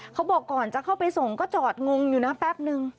เขาบอกก่อนจะเข้าไปส่งก็จอดงงอยู่นะแป๊บนึง